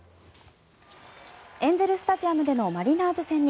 エンゼル・スタジアムでのマリナーズ戦に